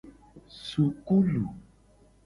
Sukulu.